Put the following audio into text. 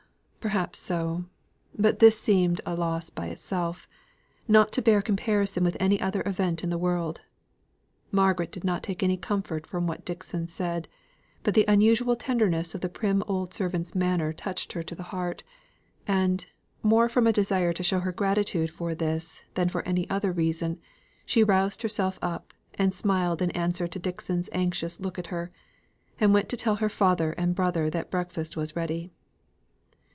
Perhaps so. But this seemed a loss by itself; not to bear comparison with any other event in the world. Margaret did not take any comfort from what Dixon said, but the unusual tenderness of the prim old servant's manner touched her to the heart; and, more from a desire to show her gratitude for this than for any other reason, she roused herself up, and smiled in answer to Dixon's anxious look at her; and went to tell her father and brother that breakfast was ready.